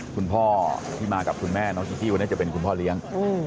คุณพ่อที่มากับคุณแม่น้องชิงกี้วันนี้จะเป็นคุณพ่อเลี้ยง